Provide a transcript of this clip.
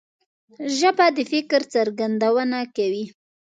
ژبه د فکر څرګندونه کوي